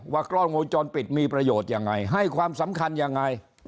กล้องวงจรปิดมีประโยชน์ยังไงให้ความสำคัญยังไง